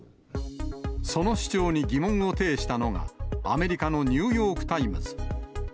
その主張に疑問を呈したのが、アメリカのニューヨークタイムズ。